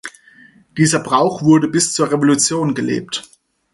Dieser Brauch wurde bis zur Revolution gelebt.